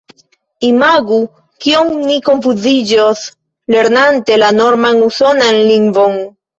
Imagu, kiom ni konfuziĝos, lernante la norman usonan lingvon!